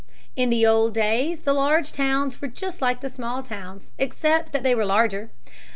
In the old days the large towns were just like the small towns except that they were larger.